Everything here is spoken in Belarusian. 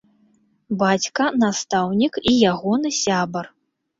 Бацька, настаўнік, і ягоны сябар.